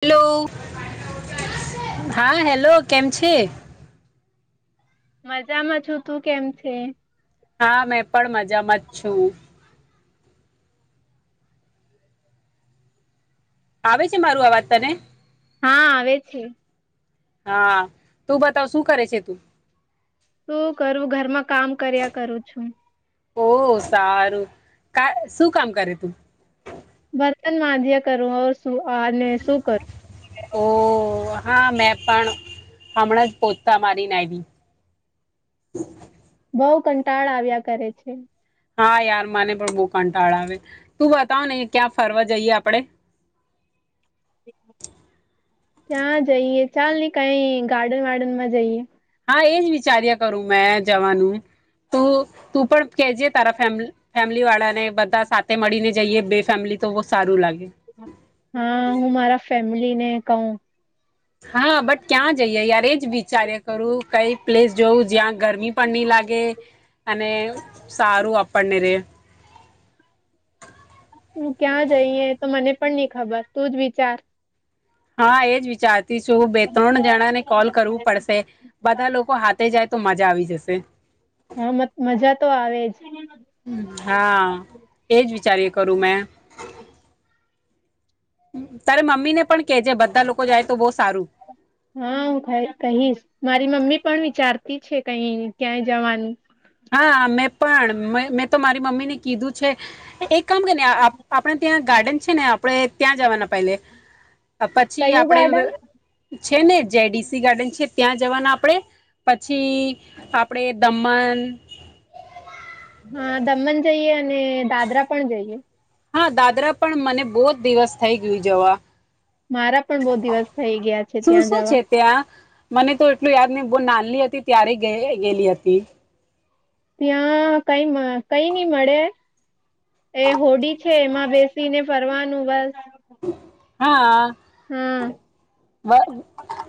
Hello હા hello કેમ છે મજામાં છું તું કેમ છે હા મેં પણ મજામાં જ છું આવે છે મારું આ વાત તને હા આવે છે હા તું બતાવ શું કરે છે તું શું કરવું ઘરમાં કામ કર્યા કરું છું ઓ સારું કા શું કામ કરે તું બર્તન માજીયા કરું હવે શુ શું આને શું કર ઓહ હા મેં પણ હમણાં જ પોચતા મારીને આવી બઉ કંટાળ આવ્યા કરે છે હા યાર મને પણ બહુ કંટાળ આવે તું બતાવ ને ક્યાં ફરવા જઈએ આપડે ક્યાં જઈએ ચાલ ને કઈ ગાર્ડન વાર્ડનમાં જઈએ હા એજ વિચાર્યા કરું મેં જવાનું તું તું પણ કે જે તારા ફેમ ફે ફેમલી વાળા ને બધા સાથે મળીને જઈએ બે ફેમિલી તો બહુ સારું લાગે હા હું મારા ફેમ લી ને કહું હા બટ ક્યાં જઈએ યાર એ જ વિચાર્યા કરું કઈ પ્લેસ જોવું જ્યાં ગરમી પણ નહી લાગે અને સારું આપ આપણ ને રે [inaudible] હું ક્યાં જઈએ તો મને પણ નહી ખબર તું જ વિચાર હા એજ વિચાર થી શું બે ત્રણ જણાને કોલ કરવું પડશે બધા લોકો હા થય જાય તો મજા આવી જશે હા મજા તો આવે જ હા એજ વિચારીએ કરું મેં [inaudible] પ્રથ તારે મમ્મી ને પણ કેજે બધા લોકો જાય તો બહ સારું હા હું કહીશ મારી મમ્મી પણ વિચારતી છે કઈ ક્યાંય જવાનું હા મેં પણ મેં તો મારી મમ્મીને કીધું છે એક કામ કરી નેઆપ આપણે ત્યાં ગાર્ડન છે ને આપણે ત્યાં જવાના પહેલે પછી કયું આપણે ગાર્ડન છે ને જેડીસી ગાર્ડન છે ત્યાં જવાના આપણે પછી આપણેે દમણ હા દમણ જઈએ અને દાદરા પણ જઈએ હા દાદરા પણ મને બહુ જ દિવસ થઈ ગયું જવા મારા પણ બહુ દિવસ થઈ ગયા છે શું ત્યાં શું જવા છે ત્યાં મને તો એટલું યાદ નહં બુ નાલી હતી ત્યારે ગ ગેલી હતી તે. ત્યાં કઈ મળે કઈ નઈ મળે એ હોડી છે એમાં બેસીને ફરવાનું બસ હા. હમ.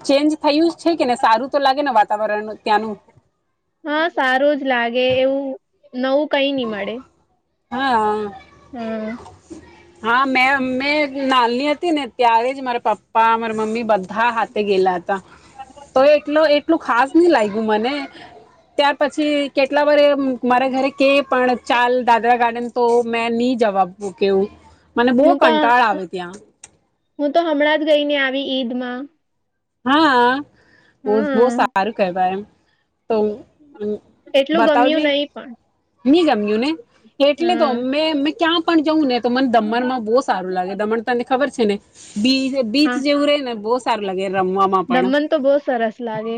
ચેન્જ થયું છે કે ને સારું તો લાગે ને વાત હા સારું જ લાગે એવું નવું કઈ નની મળે હા હા હા મે મે નાલની હતી ને ત્યારે જ મારા પાપ્પા પપ્પા મારા મમ્મી બધા હાથે ગયેલા હતા તો એટલું એટલુ ખાસ નહ લાગ્યું મને ત્યા- પછી કેટલા વર એ મારા ઘરે પણ ચાલ દાદરા ગાર્ડન તો મેં નહી જવા કેવું મને બહુ હું તો કંટાળ આવે ત્યાં હું તો હમણાં જ ગઈ ને આવી ઈદમાં હા બ હા બહ સારું કેવાય એમ- તો એટલું ગમ્યું બતાવજે નહી પણ હી જમ્યું ને એટલે તો હા અમે અ ક્યાં પણ જઉં ને તો મને દમણમાં બહુ સારું લાગે દમણ તને ખબર છે ને બી બીચ હા જેવું રે ને બહુ સારું લાગે મ દમણ તો બહુ સરસ લાગે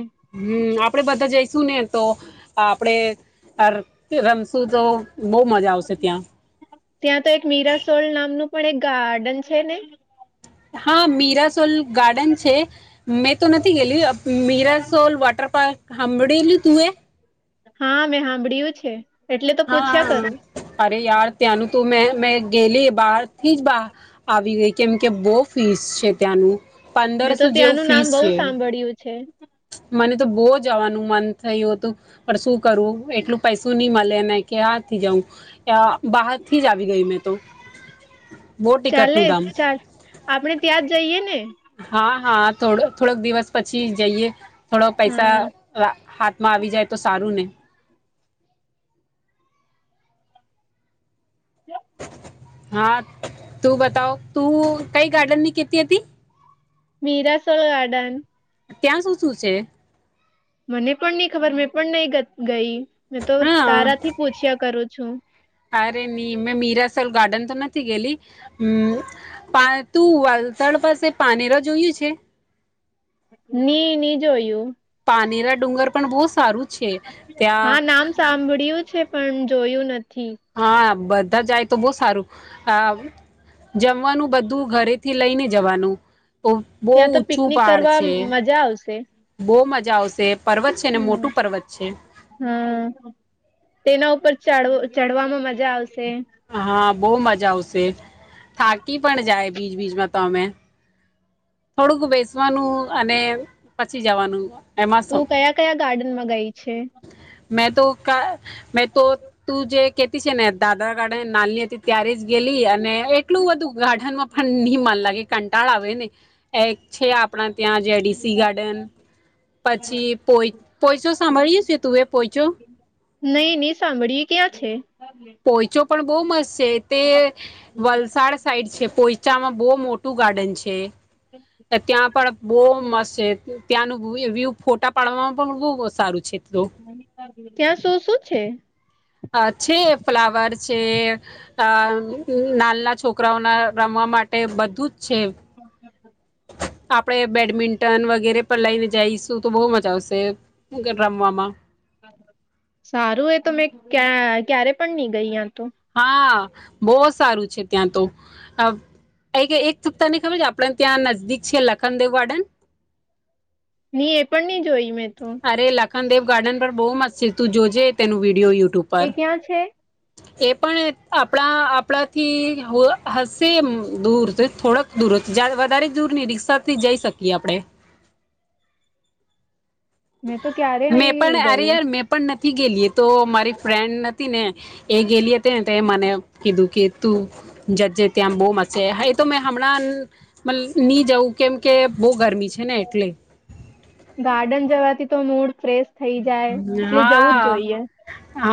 આપડે બધા જઈશું ને તો આપડે રમશું તો બહ મજા આવશે ત્યાં ત્યાં તો એક મીરાસોલ નામનું પણ એક ગાર્ડન છે ને હા મી ો ગાર્ડન છે મે તો નથી ગેલી મીરાસોલ વાોટર પાર્ક હંડીેલી તવે હા મેં સાંભળ્યું છે એટલે તો પૂછ્યા હા કરું અરી ાર ત્યાંનું તો મેં મેં ગયલી બહાર થી જ આવી ગઈ કેમ કે બહુ ફીસ છે ત્યાંનું મેં તો પંદરસો જેવું ત્યાંનું ફીસ નામ બહુ છે સાંભળ્યું છે મને તો બહુ જવાનું મન થયું હતું પણ શું કરવું એટલું પૈસું નહી મળે ને કે હા થી જઉું બહાર થી જ આવી ગઈ મેં તો બહુ ચાલે ટિકટનું દામ ચા આપણેે ત્યાં જ જઈએ ને હા હા થોડ થોડોક દિવસ પછી જઈએ થોડો પૈસા હા હાથ આવી જાય તો સારું ને હા તું બતાવ તું કઈ ગાર્ડન ની કેતી હતી હતી મીરાસોલ ગાર્ડન ત્યાં શું શું છે મને પણ નહી ખબર મેં પણ નહી ગઈ મે તો હા તારા થી પૂછ્યા કરું છો તારે નહી મેં મીરાસલ ગાર્ડન તો નથી ગયેલી હમ તું વલસાડ પાસે પાનેરા જોયું છે ની ની જોયું પાનીરા ડુંગર પણ બહુ સારું છે હા ત્યાં નામ સાંભળય્યું છે પણ જોયું નથી હા! બધા જાય તો બહ સારું. આ જમવાનું બધું ઘરેથી લઈને જવાનું. તો બહુ ત્યાં તો ઊંચું પિકનિક પડ કરવા છે. મજા આવશે બહુ મજા. જાઓશે. હમ! હમ તેના ઉપર ચાડવો. ચડવામાં મજા આવશે. હા બહુ મજ આવશે થાકી પણ જાય બીજ બીજમાં તમે થોડુંક બેસવાનું અને પછી જવાનું એમાં તું શું કયા કયા ગાર્ડન માં ગઈ છે. મેં તો કા મેં તો તું જે કેતી છે ને દાદા ગાડ નાની ત્યારે જ ગેલી અને એટલું બધું ગાર્ડનમાં પણ નહીં મન લાગે કંટાળ આવે હોયને એક છે આપણા ત્યાં જેડીસી ગાર્ડન પછી પોય પોયચો સાંભળી સે તુએ પોઈચો નહી ની સાંભળી એ ક્યાં છે. પોઈચો પણ બહુ મસ્ત છે તે વલસાડ સાઈડ છે પોય ચામાં બો મોટું ગાર્ડન છે ત્યાં પણ બો મસ્ત છે. ત્યાંનું વ્યુ ફોટા પાડવામાં પણ બહુ સારું છે. તો ત્યાં શું શું છે. અ છે ફ્લાવર છે. અ નાના છોકરાઓના રમવા માટે બધું જ [inaudible] આપડે બેડમિન્ટન વગેરે પણ લઈને જઈશું તો બહુ મજા આવશે રમવામા સારું એ તો મેં ક્યા ક્યારે પણ નહી ગઈ તો હા બહ સારું છે ત્યાં તો એક સપ્તાહની ખબર છે આપણે ત્યાં નજદીક છ લખનદેવ ગાર્ડન ની એ પણની જોઈ મેં તો ખંનદેવ ગાર્ડન પર બહુ મસ છે તું જોજે તેનું વિડીયો યુ એ ક્યાં છે. એ પણ આપણા આપણાથી હશેમ દૂર થોડક દૂર વધારે દૂર નહી રિક્ષાથી જઈ શકીએ આપડે મેં તો ક્યારે મેં નહી પણ અરે ગઈ યાર મેં પણ ન થી ગેલી એ તો મારી ફ્રેન્ડ નથી ને એ ગેલી હતી ને મને કીધું કે તું જજે ત્યાં બહુ મસ્ત છે એતો મેં હમણાં નહી જવું કેમ કે બહુ ગરમી છે ને એટલે ગાર્ડન જવાથી તો મૂડ ફ્રેશ થઈ જાય એટલે જવું જ હા જોઈએ હ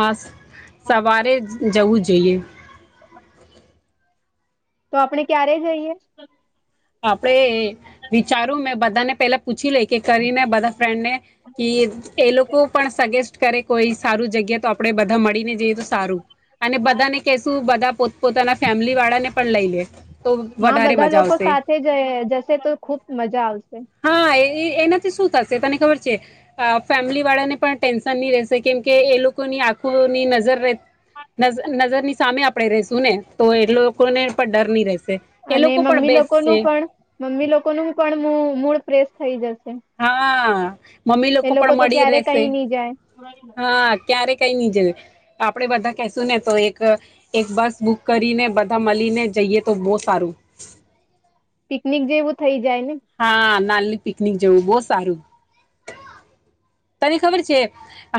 સવારે જવું જોઈએ તો આપણે ક્યારે જઈએ આપડે વિચારું મેં બધાને પેલા પૂછી લઈ કે કરીને બધા ફ્રેન્ડ ને કે એ લોકો પણ સગેસ્ટ કરે કોઈ સારું જગ્યા તો આપડે બધા મળીને જઈએ તો સારું અને બધાને કેશુ બધા પોતપોતાના ફેમિલી વાળા ને પણ લઈ લે તો હા વધારે બધા મજા લોકો આવશે સાથે જશે તો ખુબ મજા આવશે હા એનાથી શું થશે તને ખબર છે ફેમિલી વાળાને પણ ટેન્શન ની રહેશે કેમ કે એ લોકોની આંખોની નજર નજરની સામે આપણેે રેશું ને તો એ લોકોને ડર ની રહેશે એ અને લોકો પણ મમ્મી બે પણ મમ્મી લોકો ન પણ મૂળ ફ્રેશ થઈ જશે હા હ મમ્મી લોકો એ પણ તો મળી ક્યારે રહેશે કઈ નહી જાય હા ક્યારેક કઈ નહી જાય આપણે બધા કશું ને તો એક એક બસ બુક કરીને બધા મળીને જઈએ તો બહુ સારું પિકનિક જેવું થઈ જાય ને હા નાલની પિકનિક જવું બહ સારું તને ખબર છે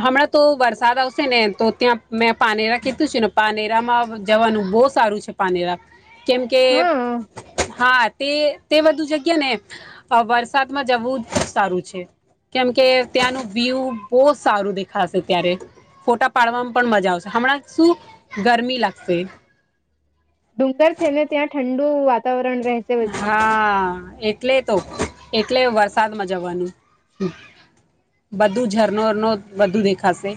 હમણાં તો વરસાદ આવશે ને તો ત્યાં મેં પાનેરા કીધું છેું ને પાનેરામાં જવાનું બહુ સારું છે પાનેરા કેમ કે હા હા તે તે બધું જગ્યા ને વરસાદમાં જવું સારું છે કેમ કે ત્યાંનું વ્યૂ બહુ સારું દેખાશે ત્યારે ફોટા પાડવામાં પણ મજા આવશે હમણાં શું ગરમી લાગશે ડુંગર છે ને ત્યાં ઠંડુ વાતાવરણ રહેશે હા એક એટલે તો એટલે વરસાદમાં જવાનું બધું ઝરનોરનો બધું દેખાશે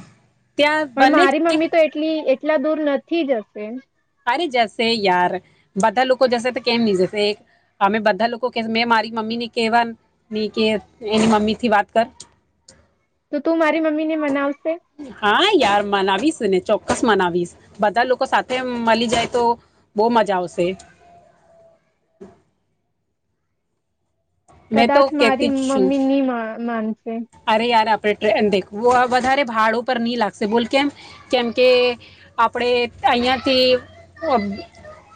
ત્યાં પણ બંને મારી છે મમ્મી તો એટલી એટલા દૂર નથી જશે અરે જશે યાર બધા લોકો જશે તો કેમ નહી જશે એક અમે બધા લોકો કે મે મારી મમ્મી ને કેવા ન કે એની મમ્મી થી વાત કર તો તું મારી મમ્મી ને મનાવશે હા યાર મનાવીશ ને ચોક્કસ મનાવીશ બધા લોકો સાથે મળી જાય તો બહ મજા આવશે મેં તો કદાચ કહેતી મારી જ છું મમ્મી ની મા માન અરે યાર આપડે ટ્રેન દેખ વધારે ભાડું પર નહી લાગશે બોલ કેમ કેમ કે આપણેે અયાથી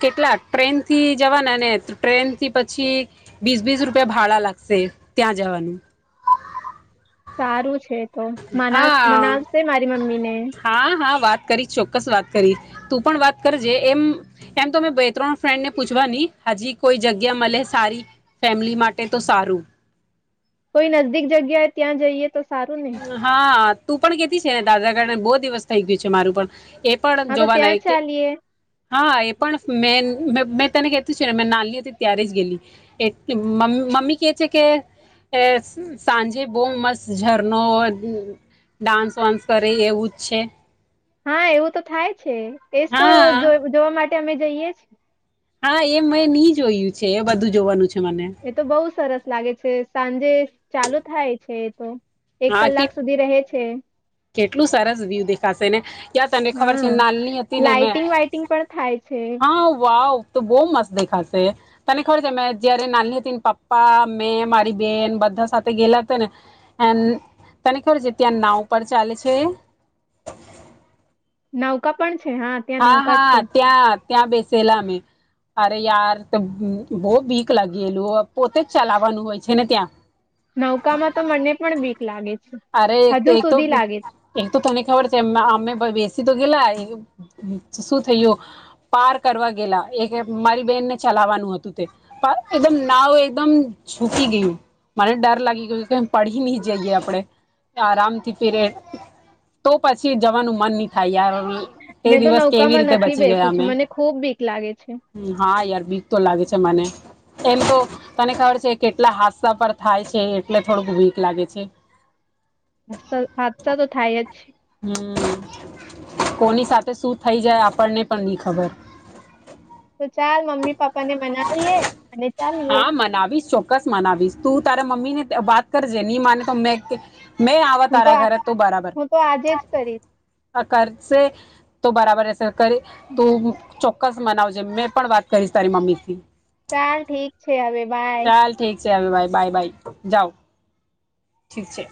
કેટલા ટ્રેન થી જવાના ને ટ્રેન થી પછી વીસ બીસ રૂપિયા ભાડા લાગશે ત્યાં જવાનું સારું છે. તો મનાસ હા મનાસ છે મારી મમ્મી ને કરી ચોક્કસ વાત કરી તું પણ વાત કરજે એમ એમ તો બે ત્રણ ફ્રેન્ડને પૂછવાની હજી કોઈ જગ્યા મલે સારી ફેમિલી માટે તો સારું. કોઈ નજદીક જગ્યાએ ત્યાં જઈએ તો સારું ને હા. તું પણ કેતી છે દાદા [unintelligible] ને બો દિવસ થઈ ગયું છે મારું પણ એ પણ હા તો ત્યાં જોવાના કે ચાલીએ હા એ પણ મેન મેં તને કેતું છે ને મે નાલી હતી ત્યારે જ ગેલી એટલે મમ્મી કે છે કે સાંજે બો મસ્ત જ નો ડાન્સ વાન્સ કરે એવું જ છે. હા એવું તો થાય છે. એજ તો હા જો જોવા માટે અમે જઈએ છે. હા એ મેં ની જોયું છે એ બધું જોવાનું છે મને એ તો બહુ સરસ લાગે છે. સાંજે ચાલુ થાય છે. તો એક હા કે કલાક સુધી રહે છે. કેટલું સરસ વ્યુ દેખાશે ને ક્યાં તને ખબર છે હા નાલી હતી ને મેં લાાઈટિંગ વાઈટિંગ પણ થાય છે હા વાવ તો બો મસ્ત દેખાશે તને ખબર છે મે જયારે નાલી હતી પપ્પા મેં મારી બેન બધા સાથે ગેલા હતા ને એ તને ખબર છે ત્યાં નાવ પર ચાલ છે. નૌકા પણ છે ત્યાં હા નૌકા છે હા ત્યા ત્યાં બેસેલા અમે અરે યાર તો બો બીક લાગીલું પોતે જ ચલાવવાનું હોય છે ને ત્યાં નૌકામાં તો મને પણ બીક લાગે છે અરે હજુ એક તો સુધી લાગે છે એક તો તને ખબર છે અમે બેસી તો ગેલા શું થયુ પાર કરવા ગેલા એક મારી બેનને ચલાવવાનું હતું તે એકદમ નાવ એકદમ છૂકી ગયું મને ડર લાગી ગયો કે પડી નહી જઈએ આપડે આરામ થી પીરે તો પછી જવાનું મન નહી થાય યાર તે મેં તો દિવસ કેવી નૌકામાં રીતે નથી બચી ગયા બેસું છું અમે મને ખૂબ બીક લાગે છે. હા યાર બીક તો લાગે છે મને એમ તો તને ખબર છે કેટલા હાદસા પર થાય છે એટલે થોડુંક બીક લાગે છે. હ હાદસા તો થાય જ હમ્મ કોની સાથે શું થઇ જાય આપણને પણ નઈ ખબર તો ચાલ મમ્મી પાપ્પા ને મનાવીએ અને ચાલીએ હા મનાવીશ ચોક્કસ મનાવીશ તું તારા મમ્મીને બાત કરજે ની માને તો મેં આવવા હું તો તારા આ ઘર તું બરાબર હું તો આજે જ કરીશ આ ખરચ તો બરાબર સરકારી તો ચોક્કસ મનાવજે મેં પણ વાત કરીશ તારી મમ્મીથી. તાર ઠીક છે હવે બાય. ચલ ભાઈ બાય બાય. જાઓ. ઠીક છે.